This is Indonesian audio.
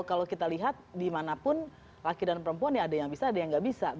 kalau kita lihat dimanapun laki dan perempuan ya ada yang bisa ada yang nggak bisa